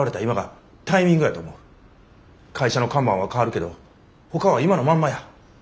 会社の看板は変わるけどほかは今のまんまや。